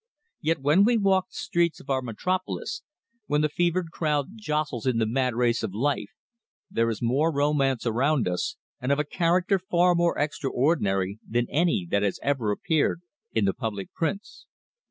Yet when we walk the streets of our Metropolis, where the fevered crowd jostles in the mad race of life, there is more romance around us, and of a character far more extraordinary than any that has ever appeared in the public prints.